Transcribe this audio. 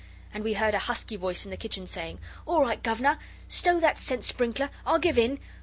And we heard a husky voice in the kitchen saying 'All right, governor! Stow that scent sprinkler. I'll give in.